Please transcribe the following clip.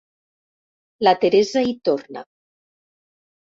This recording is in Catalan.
La Teresa hi torna.